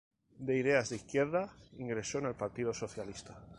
De ideas de izquierda, ingresó en el Partido Socialista.